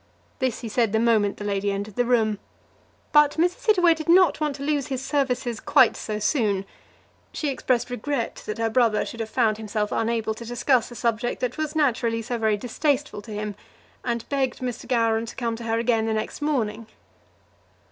This he said the moment the lady entered the room. But Mrs. Hittaway did not want to lose his services quite so soon. She expressed regret that her brother should have found himself unable to discuss a subject that was naturally so very distasteful to him, and begged Mr. Gowran to come to her again the next morning.